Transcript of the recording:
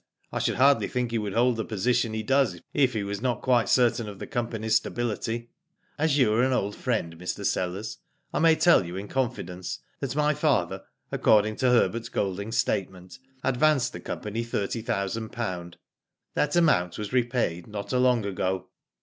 I should hardly think he would hold the position he does if he was not quite certain of the company's stability. As you are an old friend, Mr. Sellers, I may tell you in confidence that my father, ac cording to Herbert Golding's statement, advanced the company thirty thousand pounds. That amount was repaid not along ago.